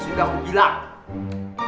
sudah aku bilang